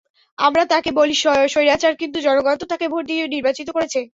আমরা তাঁকে বলি স্বৈরাচার, কিন্তু জনগণ তো তাঁকে ভোট দিয়ে নির্বাচিত করেছে।